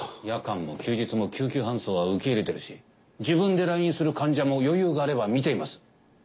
夜間も休日も救急搬送は受け入れているし自分で来院する患者も余裕があれば診ています。